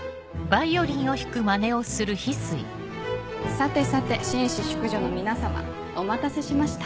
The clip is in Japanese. さてさて紳士淑女の皆さまお待たせしました。